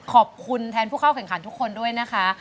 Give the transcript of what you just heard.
ขอบคุณแทนผู้เข้าแข่งขันทุกคนด้วยนะคะ